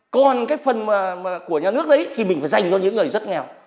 còn cái phần của nhà nước đấy thì mình phải dành cho những người rất nghèo